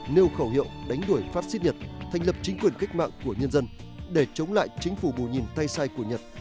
nêu khẩu hiệu đánh đuổi phát xít nhật thành lập chính quyền cách mạng của nhân dân để chống lại chính phủ bù nhìn tay sai của nhật